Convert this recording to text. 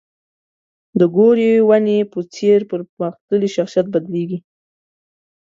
د ګورې ونې په څېر په پرمختللي شخصیت بدلېږي.